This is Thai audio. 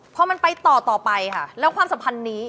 พอมันไปต่อต่อไปค่ะแล้วความสัมพันธ์นี้